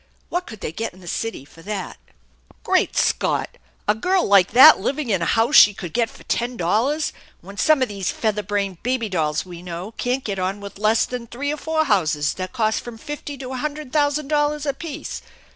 What could they get in the city for that ? M " Great Scott ! A girl like that living in a house she could get for ten dollars, when some of these feather brained baby dolls we know can't get on with less than three or four houses that cost from fifty to a hundred thousand dollars apiece